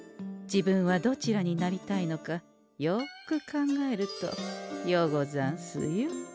自分はどちらになりたいのかよく考えるとようござんすよ。